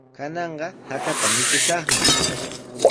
Kananqa hakata mikushaqmi.